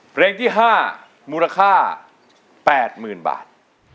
เพลงที่๕มูลค่า๘๐๐๐บาท